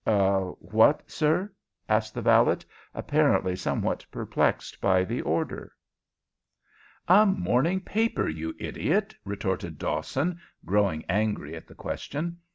"A what, sir?" asked the valet, apparently somewhat perplexed by the order. "A morning paper, you idiot!" retorted Dawson, growing angry at the question.